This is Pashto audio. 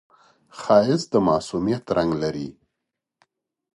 ښایست د معصومیت رنگ لري